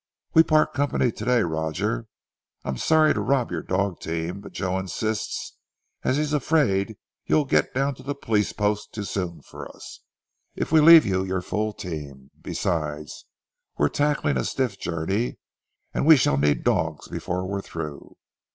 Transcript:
"We part company today, Roger. I'm sorry to rob your dog team, but Joe insists as he's afraid you'll get down to the police post too soon for us, if we leave you your full team. Besides, we're tackling a stiff journey and we shall need dogs before we're through.